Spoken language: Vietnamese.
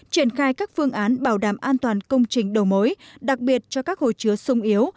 triển khai các phương án bảo đảm an toàn công trình đầu mối đặc biệt cho các hồ chứa sung yếu